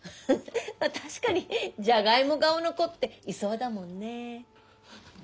まあ確かにじゃがいも顔の子っていそうだもんねえ。